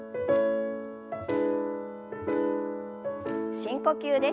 深呼吸です。